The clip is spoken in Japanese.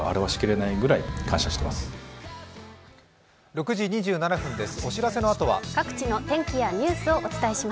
６時２７分です。